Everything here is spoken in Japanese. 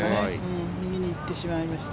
右に行ってしまいました。